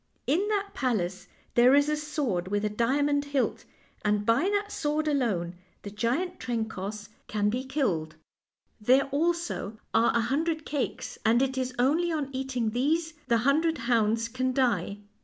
In that palace there is a sword with a diamond hilt, and by that sword alone the giant Trencoss can be 134 FAIRY TALES killed. There also are a hundred cakes, and it is only on eating these the hundred hounds can die.